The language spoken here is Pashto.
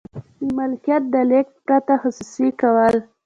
د ملکیت د لیږد پرته خصوصي کول.